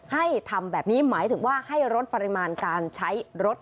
ให้ทำแบบนี้หมายถึงว่าให้ลดปริมาณการใช้รถ